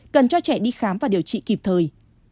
cần cho trẻ đi khám và điều trị kịp thời